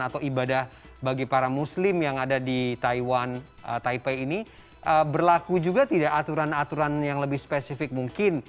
atau ibadah bagi para muslim yang ada di taiwan taipei ini berlaku juga tidak aturan aturan yang lebih spesifik mungkin